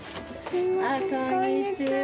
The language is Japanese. こんにちは。